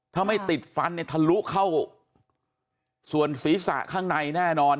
ถ้าไม่ติดฟันเนี่ยทะลุเข้าส่วนศีรษะข้างในแน่นอน